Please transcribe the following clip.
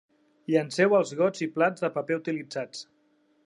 Llenceu els gots i plats de paper utilitzats.